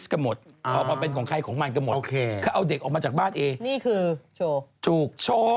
ข้างนี้จะเลิกขึ้นไปข้าง